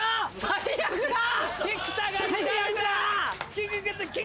最悪だ！